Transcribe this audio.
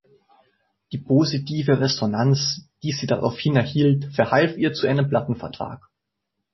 Die positive Resonanz, die sie daraufhin erhielt, verhalf ihr zu einem Plattenvertrag.